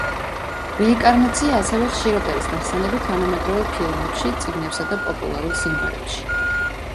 რეინკარნაცია, ასევე ხშირად არის ნახსენები თანამედროვე ფილმებში, წიგნებსა და პოპულარულ სიმღერებში.